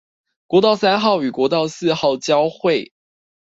國道三號與國道四號交會